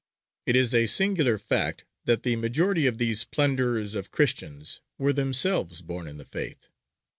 It is a singular fact that the majority of these plunderers of Christians were themselves born in the Faith.